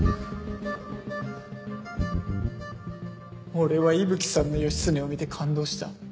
俺は伊吹さんの義経を見て感動した。